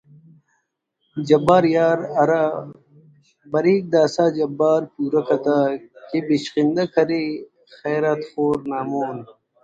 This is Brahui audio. جبار یار ہرا ”برک داسہ جبار پورا کتہ“ کہ ”بشخندہ“ کرے ”خیرات خور“ نا مون